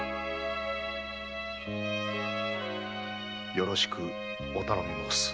よろしくお頼み申す。